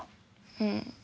うん。